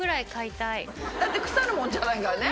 だって腐るもんじゃないからね。